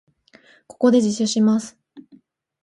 ここで自首します。